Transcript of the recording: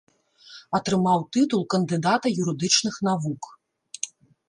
Атрымаў тытул кандыдата юрыдычных навук.